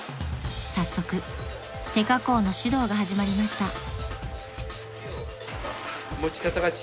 ［早速手加工の指導が始まりました］